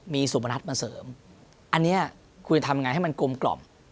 มีสุพนัทมาเสริมอันนี้คุณทำไงให้มันกลมกล่อม